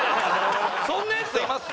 そんなヤツいます？